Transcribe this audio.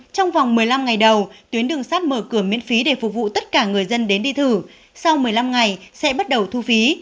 trong vòng một mươi năm ngày đầu tuyến đường sát mở cửa miễn phí để phục vụ tất cả người dân đến đi thử sau một mươi năm ngày sẽ bắt đầu thu phí